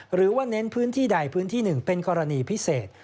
หรือว่าเน้นพื้นที่ใดพื้นที่หนึ่งเป็นกรณีพิเศษ